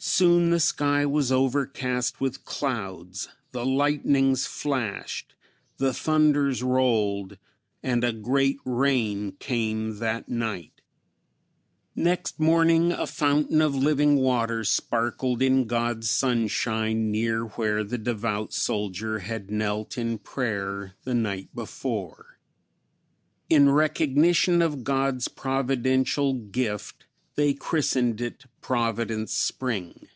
Soon the sky was overcast with clouds, the lightnings flashed, the thunders rolled, and a great rain came that night. Next morning a fountain of living water sparkled in God's sunshine near where the devout soldier had knelt in prayer the night before. In recognition of God's providential gift they christened it "Providence Spring."